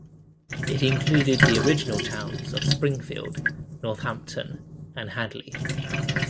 It included the original towns of Springfield, Northampton, and Hadley.